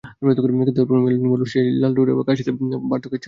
কিন্তু এরপরও মেরিলিন মনরোর সেই লাল ঠোঁটের বাঁকা হাসিতে পড়েনি বার্ধক্যের ছাপ।